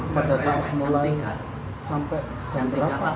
pada saat mulai sampai jam berapa